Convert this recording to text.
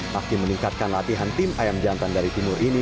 hakim meningkatkan latihan tim ayam jantan di liga satu